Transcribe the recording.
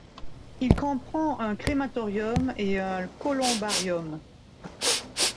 Il comprend un crématorium et un colombarium.